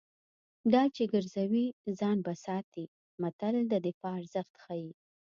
ډال چې ګرځوي ځان به ساتي متل د دفاع ارزښت ښيي